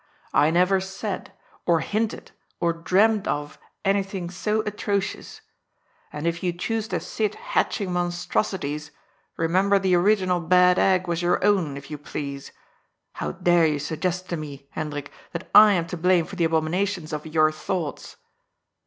"I never said, or hinted, or dreamed of, anything so atrocious. And if you choose to sit hatching monstrosities, remember the original bad egg was your own, if you please. How dare you suggest to me, Hendrik, that I am to blame for the abominations of your thoughts?"